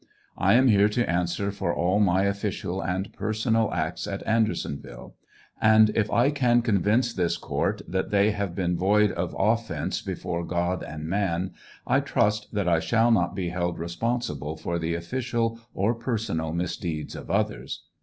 I am here to answer for all my official anc personal acts at Andersonville, and if I can convince this court that they have been void of offence before God and man, I trust that I shall not be held respon sible for the official or personal misdeeds of others.